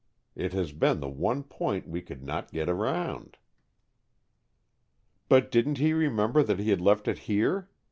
It has been the one point we could not get around." "But didn't he remember that he had left it here?